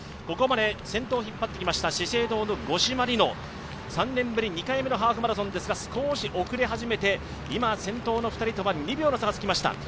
ここまで先頭を引っ張ってきました資生堂の五島莉乃、３年ぶり２回目のハーフマラソンですが少し後れ始めて、先頭の２人とは２秒の差がつきました。